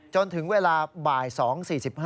จนถึงเวลาบ่าย๒๔๕